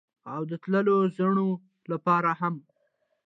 او د تللو زاڼو لپاره هم